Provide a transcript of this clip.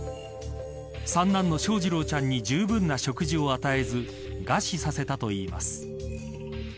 三男の翔士郎ちゃんにじゅうぶんな食事を与えず餓死させたといいます。